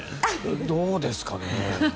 どうですかね？